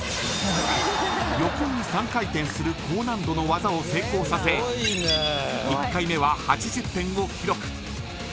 横に３回転する高難度の技を成功させ１回目が８０点を記録。